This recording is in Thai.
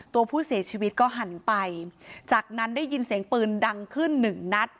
ตัวผู้เสียชีวิตก็หันไปจากนั้นได้ยินเสียงปืนดังขึ้นหนึ่งนัด